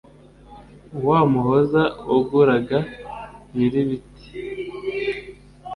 wa muhoza waguraga nyiribiti,